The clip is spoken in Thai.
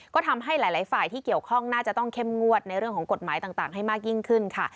ก็ทำให้หลายฝ่ายที่เกี่ยวข้องน่าจะต้องเข้มงวดในเรื่องของกฎหมายต่างให้มากยิ่งขึ้นค่ะ